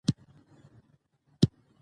هغه وویل چې د خلکو ګډون بېساری و.